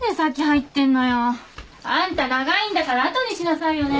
あんた長いんだから後にしなさいよね。